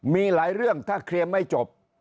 มีหลายเรื่องถ้าเคลียร์ไม่จบ